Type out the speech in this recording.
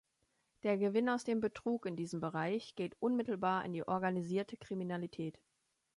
Der Gewinn aus dem Betrug in diesem Bereich geht unmittelbar in die organisierte Kriminalität.